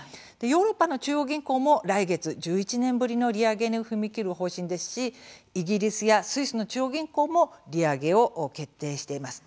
ヨーロッパの中央銀行も来月１１年ぶりの利上げに踏み切る方針ですしイギリスやスイスの中央銀行も利上げを決定しています。